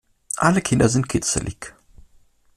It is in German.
Alle Kinder sind kitzelig.